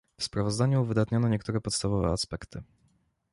W sprawozdaniu uwydatniono niektóre podstawowe aspekty